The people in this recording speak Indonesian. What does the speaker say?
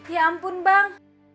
ya ampun bang